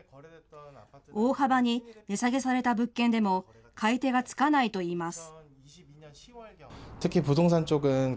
大幅に値下げされた物件でも、買い手がつかないといいます。